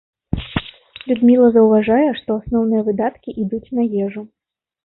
Людміла заўважае, што асноўныя выдаткі ідуць на ежу.